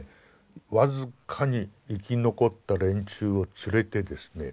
僅かに生き残った連中を連れてですね